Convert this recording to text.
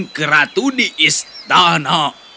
dan aku akan menemukan putri raja di istana